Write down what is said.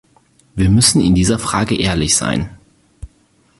Wir müssen in dieser Frage ehrlich sein.